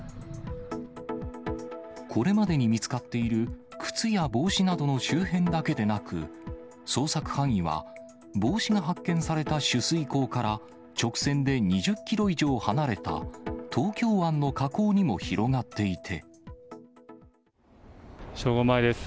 これまでに見つかっている靴や帽子などの周辺だけでなく、捜索範囲は、帽子が発見された取水口から直線で２０キロ以上離れた東京湾の河正午前です。